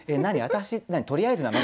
私とりあえずなの？」